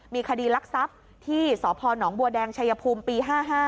มีคดีลักษัพที่สหนบัวแดงชภูมิปี๕๕